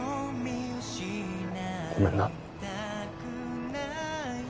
ごめんな。